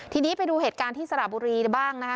ทีนี้ไปดูเหตุการณ์ที่สระบุรีบ้างนะคะ